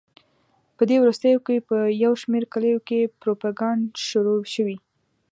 په دې وروستیو کې په یو شمېر کلیو کې پروپاګند شروع شوی.